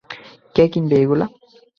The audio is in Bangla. কে কিনবে এইগুলা?